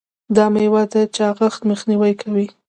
دا میوه د چاغښت مخنیوی کوي.